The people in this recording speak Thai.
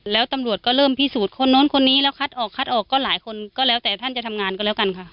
แล้วตำรวจก็เริ่มพิสูจน์คนนู้นคนนี้แล้วคัดออกคัดออกก็หลายคนก็แล้วแต่ท่านจะทำงานก็แล้วกันค่ะ